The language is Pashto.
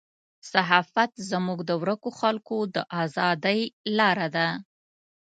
صحافت زموږ د ورکو خلکو د ازادۍ لاره ده.